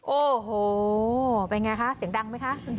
โอ้โหเป็นไงคะเสียงดังไหมคะ